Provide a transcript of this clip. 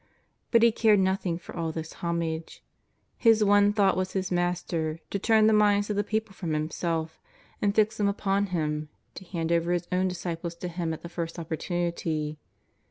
But he cared nothing for all this homage. His one thought was his Master, to turn the minds of the people from himself and fix them upon Him, to hand over his own disciples to Him at the first opportunity.